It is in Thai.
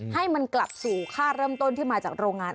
ให้มันกลับสู่ค่าเริ่มต้นที่มาจากโรงงาน